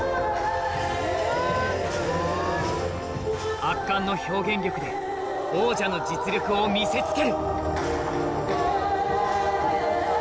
圧巻の表現力で王者の実力を見せつける